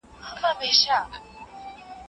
په سرو مرمو سوری سوری شوم